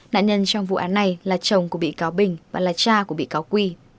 nạn nhân trong vụ án này là chồng của bị cáo bình và là cha của bị cáo quy